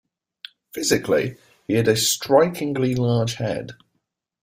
Physically, he had a strikingly large head.